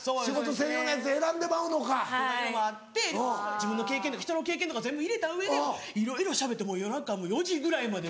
自分の経験とか人の経験とか全部入れた上でいろいろしゃべってもう夜中４時ぐらいまで。